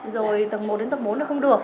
rồi tầng một đến tầng bốn nó không được